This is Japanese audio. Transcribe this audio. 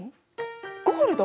ゴールド！？